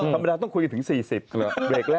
ธรรมดาต้องคุยถึง๔๐เด็กอ่ะ